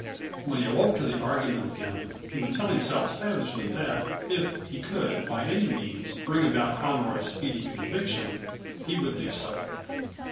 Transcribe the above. When he awoke to the argument again, he would tell himself savagely that if he could, by any means, bring about Conroy's speedy conviction, he would do so.